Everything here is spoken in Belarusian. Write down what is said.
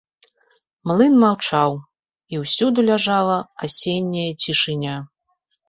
Млын маўчаў, і ўсюды ляжала асенняя цішыня.